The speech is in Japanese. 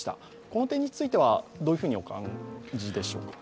この点についてはどういうふうにお感じでしょうか。